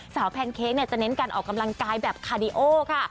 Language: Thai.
แพนเค้กจะเน้นการออกกำลังกายแบบคาดิโอค่ะ